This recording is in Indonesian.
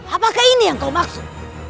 apakah ini yang kau maksud